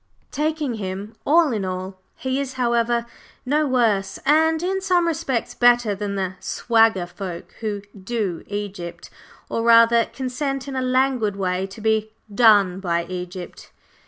Taking him all in all, he is, however, no worse, and in some respects better, than the "swagger" folk who "do" Egypt, or rather, consent in a languid way to be "done" by Egypt.